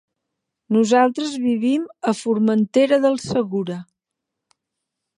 Nosaltres vivim a Formentera del Segura.